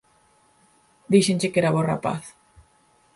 Díxenche que era bo rapaz.